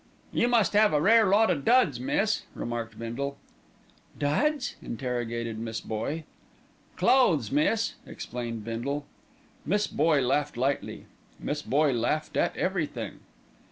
"You must 'ave a rare lot o' duds, miss," remarked Bindle. "Duds?" interrogated Miss Boye. "Clothes, miss," explained Bindle. Miss Boye laughed lightly. Miss Boye laughed at everything.